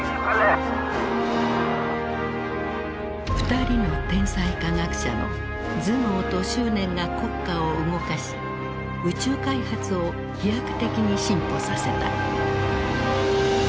２人の天才科学者の頭脳と執念が国家を動かし宇宙開発を飛躍的に進歩させた。